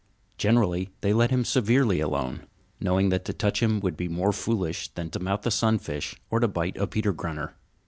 Generally they let him severely alone, knowing that to touch him would be more foolish than to mouth a sunfish or to bite a Peter grunter.